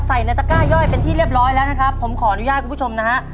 ใส่ในตะก้าย่อยเป็นที่เรียบร้อยแล้วนะครับผมขออนุญาตคุณผู้ชมนะฮะ